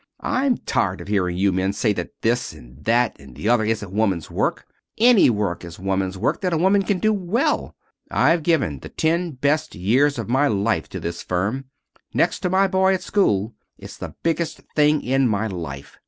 I'm tired of hearing you men say that this and that and the other isn't woman's work. Any work is woman's work that a woman can do well. I've given the ten best years of my life to this firm. Next to my boy at school it's the biggest thing in my life.